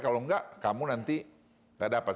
kalau enggak kamu nanti gak dapat